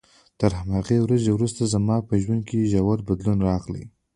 تر همغې ورځې وروسته زما په ژوند کې ژور بدلون راغی.